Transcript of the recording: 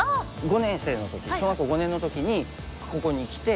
５年生の時小学校５年の時にここに来て。